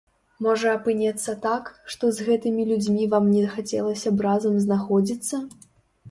Можа апынецца так, што з гэтымі людзьмі вам не хацелася б разам знаходзіцца?